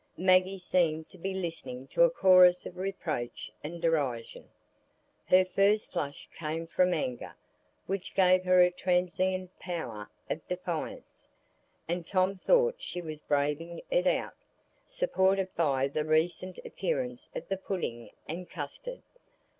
Maggie seemed to be listening to a chorus of reproach and derision. Her first flush came from anger, which gave her a transient power of defiance, and Tom thought she was braving it out, supported by the recent appearance of the pudding and custard.